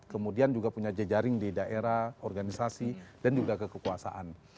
kemudian juga punya jejaring di daerah organisasi dan juga kekuasaan